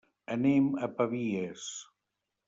Anem a Pavies.